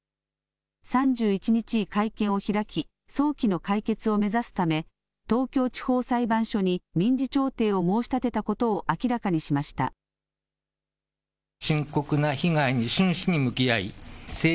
３１日、会見を開き、早期の解決を目指すため、東京地方裁判所に民事調停を申し立てたことを明ら気象情報、佐藤さんです。